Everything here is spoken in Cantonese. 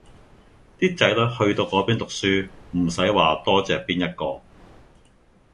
啲仔女去到嗰邊讀書唔使話多謝邊一個